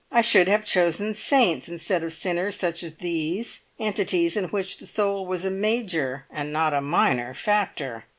I should have chosen saints instead of sinners such as these, entities in which the soul was a major and not a minor factor.